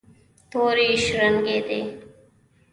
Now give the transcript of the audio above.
تورې شرنګېدې.